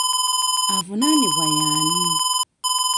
Avunaanibwa y'ani?